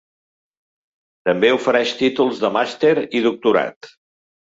També ofereix títols de màster i doctorat.